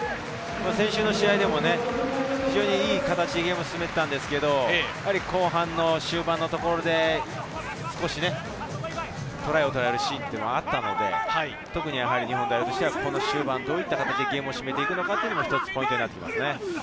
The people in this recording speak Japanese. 先週の試合でも非常にいい形でゲームを進めていたんですけれど、後半の終盤のところで少しトライを取られるシーンがあったので、日本代表としては終盤、どういった形でゲームを締めていくのかっていうのが一つ、ポイントなりますね。